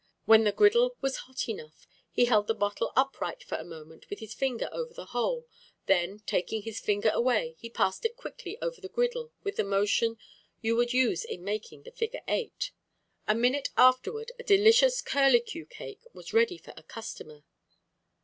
When the griddle was hot enough, he held the bottle upright for a moment with his finger over the hole, then, taking his finger away, he passed it quickly over the griddle with the motion you would use in making the figure 8. A minute afterward, a delicious curlicue cake was ready for a customer.